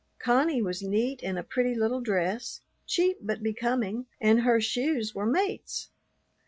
Connie was neat in a pretty little dress, cheap but becoming, and her shoes were mates.